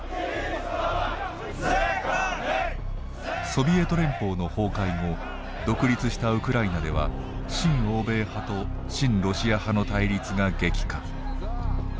ソビエト連邦の崩壊後独立したウクライナでは新欧米派と親ロシア派の対立が激化。